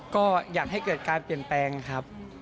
ก็อยากให้เกิดการเปลี่ยนแปลงครับ